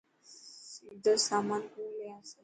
سيدو سامان ڪوڻ لي آسي.